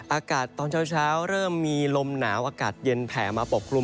อากาศตอนเช้าเริ่มมีลมหนาวอากาศเย็นแผ่มาปกกลุ่ม